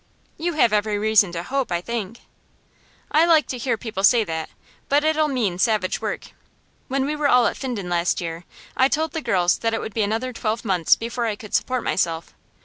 'You have every reason to hope, I think.' 'I like to hear people say that, but it'll mean savage work. When we were all at Finden last year, I told the girls that it would be another twelve months before I could support myself.